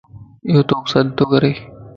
ايو توک سڏتو ڪري